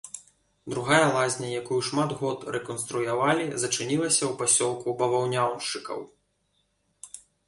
Другая лазня, якую шмат год рэканструявалі, зачынілася ў пасёлку баваўняншчыкаў.